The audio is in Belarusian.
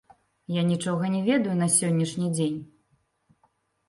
Я нічога не ведаю на сённяшні дзень.